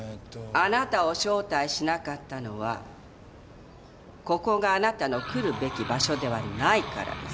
あなたを招待しなかったのはここがあなたの来るべき場所ではないからです。